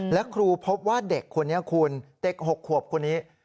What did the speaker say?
และครูพบว่าเด็กคนนี้คุณเด็ก๖ขวบคนนี้